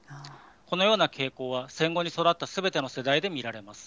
このような傾向は戦後に育ったすべての世代で見られます。